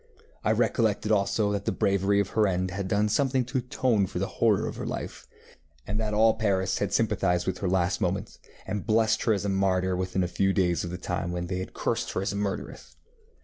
I recollected also that the bravery of her end had done something to atone for the horror of her life, and that all Paris had sympathized with her last moments, and blessed her as a martyr within a few days of the time when they had cursed her as a murderess.